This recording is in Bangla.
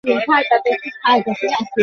মোতির মাও গেল তার সঙ্গে।